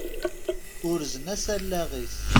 Urzen-as allaɣ-is.